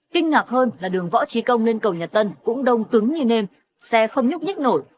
kinh ngạc hơn là đường võ trí công lên cầu nhật tân cũng đông cứng như đêm xe không nhúc nhích nổi